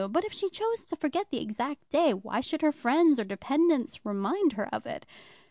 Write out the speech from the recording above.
But if she chose to forget the exact day, why should her friends or dependents remind her of it?